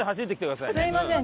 すみません。